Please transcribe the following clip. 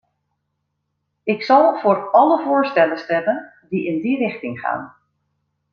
Ik zal voor alle voorstellen stemmen die in die richting gaan.